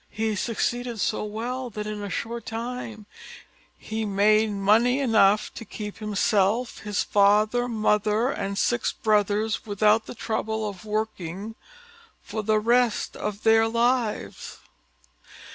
He succeeded so well, that in a short time he made money enough to keep himself, his father, mother, and six brothers, without the trouble of working, for the rest of their lives.